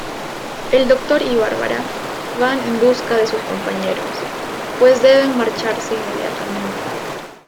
El Doctor y Barbara van en busca de sus compañeros, pues deben marcharse inmediatamente.